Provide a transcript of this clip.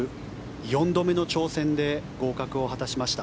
４度目の挑戦で合格を果たしました。